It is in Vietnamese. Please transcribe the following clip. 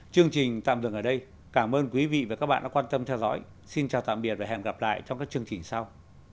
chương trình tạm dừng ở đây cảm ơn quý vị và các bạn đã quan tâm theo dõi xin chào tạm biệt và hẹn gặp lại trong các chương trình sau